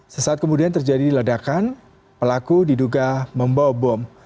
sesaat kemudian terjadi ledakan pelaku diduga membawa bom